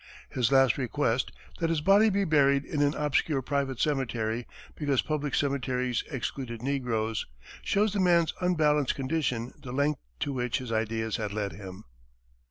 His last request, that his body be buried in an obscure private cemetery, because public cemeteries excluded negroes, shows the man's unbalanced condition, the length to which his ideas had led him.